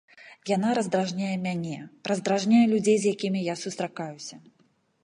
Яна раздражняе мяне, раздражняе людзей, з якімі я сустракаюся.